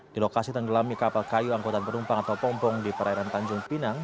di lokasi tenggelamnya kapal kayu angkutan penumpang atau pompong di perairan tanjung pinang